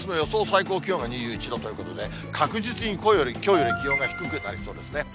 最高気温が２１度ということで、確実にきょうより気温が低くなりそうですね。